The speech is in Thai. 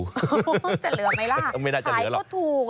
จะเหลือไหมล่ะไม่น่าจะเหลือหรอก